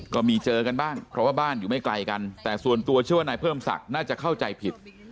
ก็มีเจอกันบ้างเพราะว่าบ้านอยู่ไม่ไกลกันแต่ส่วนตัวเชื่อว่านายเพิ่มศักดิ์น่าจะเข้าใจผิด